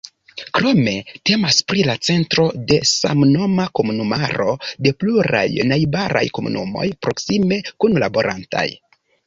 Krome temas pri la centro de samnoma komunumaro de pluraj najbaraj komunumoj proksime kunlaborantaj.